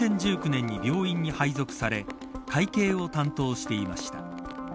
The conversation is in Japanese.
２０１９年に病院に配属され会計を担当していました。